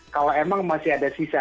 kalau emang masih ada sisa